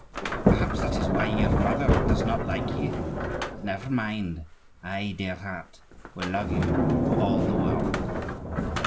Perhaps that is why your mother does not like you! But never mind! I, dear heart, will love you for all the world."